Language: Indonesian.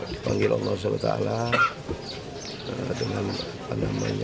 dipanggil allah swt dengan apa namanya